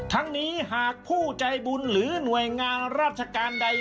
ทั้งนี้หากผู้ใจบุญหรือหน่วยงานราชการใด